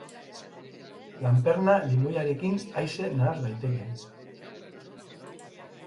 Lanperna limoiarekin aise nahas daiteke.